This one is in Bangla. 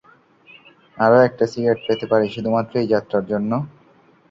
আরো একটা সিগারেট পেতে পারি, শুধুমাত্র এই যাত্রার জন্য?